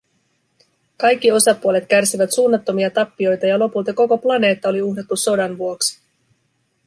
Kaikki osapuolet kärsivät suunnattomia tappioita, ja lopulta koko planeetta oli uhrattu sodan vuoksi.